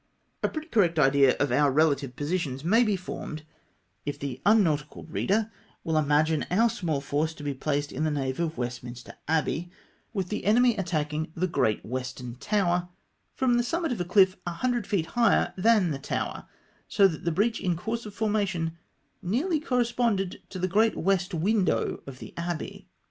A pretty correct idea of om^ relative positions may be formed if the unnautical reader wiU imagine our small force to be placed in the nave of Westminster Abbey, with the enemy attacking the great western tower from the summit of a chff 100 feet higher tlian the tower, so that the breach in course of formation nearly corresponded to the great west window of the abbey.